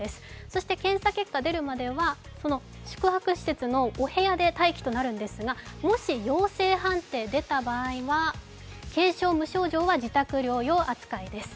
そして検査結果が出るまでは宿泊施設のお部屋で待機となるんですが、もし陽性判定が出た場合は軽症、無症状は自宅療養扱いです。